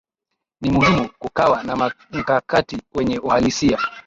ni muhimu kukawa na mkakati wenye uhalisia